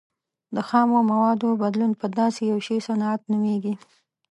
د خامو موادو بدلون په داسې یو شي صنعت نومیږي.